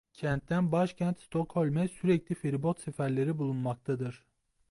Kentten başkent Stokholm'e sürekli feribot seferleri bulunmaktadır.